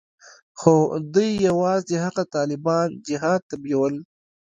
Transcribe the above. خو دوى يوازې هغه طالبان جهاد ته بيول.